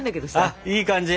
あいい感じ！